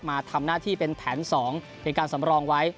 มาทำหน้าที่เป็นแผน๒ในการสำรองไว้